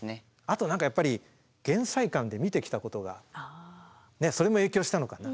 あと何かやっぱり減災館で見てきたことがそれも影響したのかな。